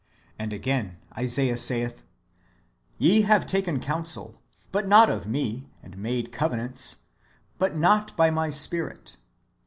"^ And again Isaiah saith, " Ye have taken counsel, but not of me ; and made covenants, [but] not by my Spirit."